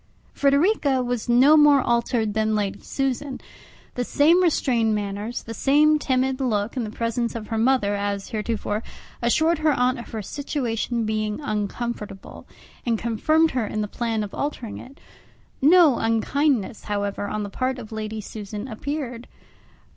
Frederica was no more altered than Lady Susan; the same restrained manners, the same timid look in the presence of her mother as heretofore, assured her aunt of her situation being uncomfortable, and confirmed her in the plan of altering it. No unkindness, however, on the part of Lady Susan appeared.